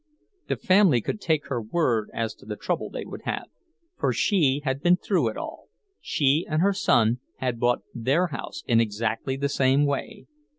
The family could take her word as to the trouble they would have, for she had been through it all—she and her son had bought their house in exactly the same way.